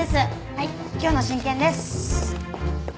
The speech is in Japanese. はい今日の新件です。